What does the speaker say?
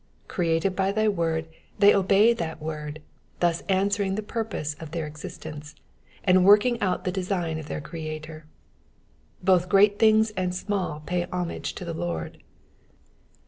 ^^ Created by tby word they obey that word, thus answering the purpose of their existence, and working out the design of their Creator. Both great things and small pay homage to the Lord.